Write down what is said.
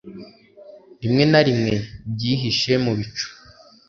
Rimwe na rimwe byihishe mu bicu